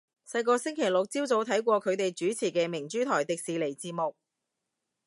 細個星期六朝早睇過佢哋主持嘅明珠台迪士尼節目